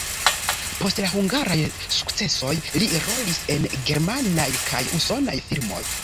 Post la hungaraj sukcesoj li rolis en germanaj kaj usonaj filmoj.